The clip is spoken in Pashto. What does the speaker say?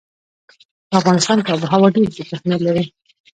په افغانستان کې آب وهوا ډېر زیات اهمیت لري.